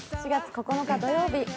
４月９日土曜日